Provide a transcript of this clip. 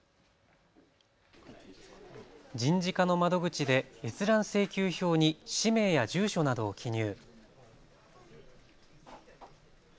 人事課の窓口で閲覧請求票に氏名や住所などを記入。